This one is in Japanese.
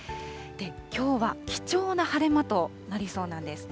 きょうは貴重な晴れ間となりそうなんです。